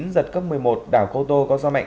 giật cấp một mươi một đảo cô tô có gió mạnh